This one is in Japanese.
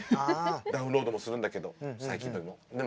ダウンロードもするんだけど最近でも。